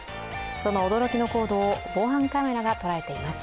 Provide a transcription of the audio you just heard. その驚きの行動を防犯カメラが捉えています。